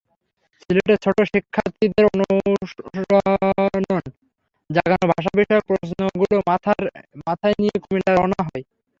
সিলেটের ছোট শিক্ষার্থীদের অনুরণন জাগানো ভাষাবিষয়ক প্রশ্নগুলো মাথায় নিয়ে কুমিল্লায় রওনা হই।